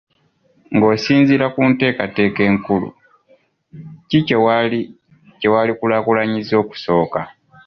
Ng'osinziira ku nteekateeka enkulu, ki kye wandikulaakulanyizza okusooka?